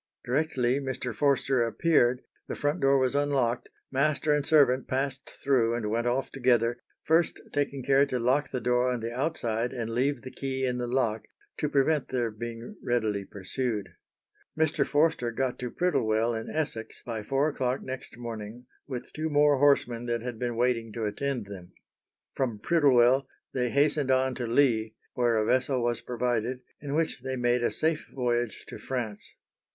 Directly Mr. Forster appeared, the front door was unlocked, master and servant passed through and went off together, first taking care to lock the door on the outside and leave the key in the lock to prevent their being readily pursued. Mr. Forster got to Prittlewell in Essex by four o'clock next morning, with two more horsemen that had been waiting to attend them. From Prittlewell, they hastened on to Leigh, where a vessel was provided, in which they made a safe voyage to France.